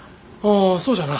あそうじゃな。